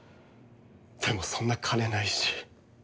でもそんな金ないし。